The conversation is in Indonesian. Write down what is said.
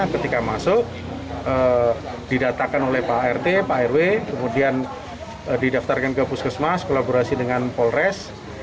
ketika masuk didatakan oleh pak rt pak rw kemudian didaftarkan ke puskesmas kolaborasi dengan polres